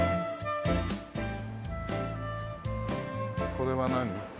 これは何？